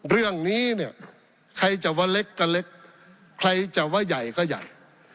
เรื่องนี้เนี่ยใครจะว่าเล็กก็เล็กใครจะว่าใหญ่ก็ใหญ่